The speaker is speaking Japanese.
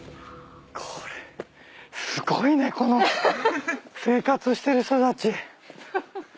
これすごいねこの生活してる人たち。